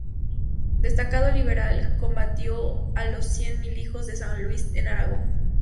Destacado liberal, combatió a los Cien Mil Hijos de San Luis en Aragón.